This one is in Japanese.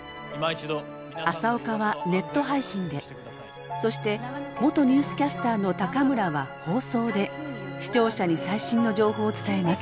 朝岡はネット配信でそして元ニュースキャスターの高村は放送で視聴者に最新の情報を伝えます。